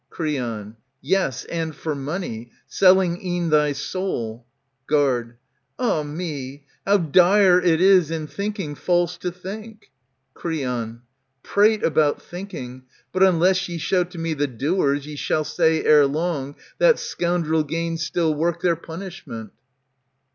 Creon, Yes, and for money ; selling e'en thy soul. Guard. Ah me ! How dire it is, in thinking, false to think ! Creon. Prate about thinking : but unless ye show To me the doers, ye shall say ere long That scoundrel gains still work their punishment.